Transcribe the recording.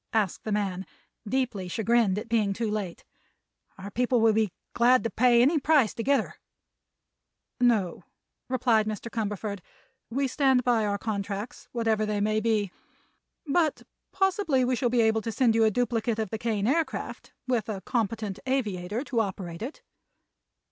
asked the man, deeply chagrined at being too late. "Our people will be glad to pay any price to get her." "No," replied Mr. Cumberford; "we stand by our contracts, whatever they may be. But possibly we shall be able to send you a duplicate of the Kane Aircraft, with a competent aviator to operate it."